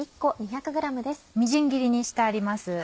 みじん切りにしてあります。